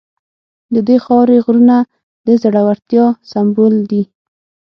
د دې خاورې غرونه د زړورتیا سمبول دي.